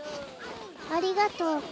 ありがとう。